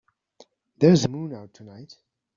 There's a moon out tonight.